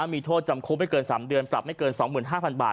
มีโทษจำคุกไม่เกิน๓เดือนปรับไม่เกิน๒๕๐๐บาท